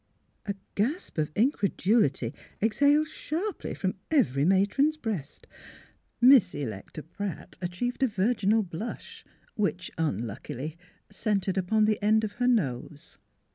A gasp of incredulity exhaled sharply from every matron's breast. • Miss Electa Pratt achieved a virginal blush, which, unluckily, centred upon the end of her nose.